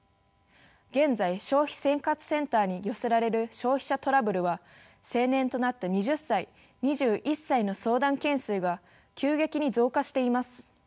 現在消費生活センターに寄せられる消費者トラブルは成年となった２０歳２１歳の相談件数が急激に増加しています。